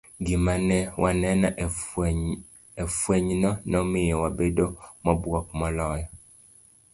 Gima ne waneno e fwenyno nomiyo wabedo mobuok moloyo.